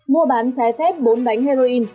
mua bán trái phép bốn bánh heroin